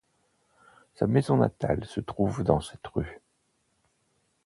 Sa maison natale se trouve dans cette rue.